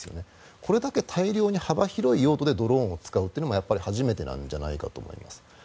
これだけ大量に幅広い用途でドローンを使うというのも初めてなんじゃないかと思います。